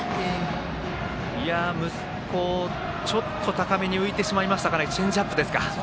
高めに浮いてしまいましたかねチェンジアップですか。